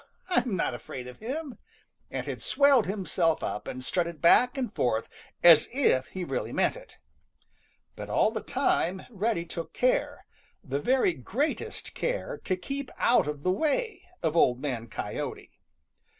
I'm not afraid of him!" and had swelled himself up and strutted back and forth as if he really meant it. But all the time Reddy took care, the very greatest care, to keep out of the way of Old Man Coyote.